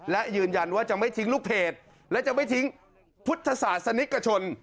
และยืนยันว่าจะไม่ทิ้งลูกเพจและจะไม่ทิ้งพุทธศาสนิกชน